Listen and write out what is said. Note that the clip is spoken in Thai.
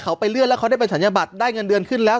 เขาไปเลื่อนแล้วเขาได้ไปศัลยบัตรได้เงินเดือนขึ้นแล้ว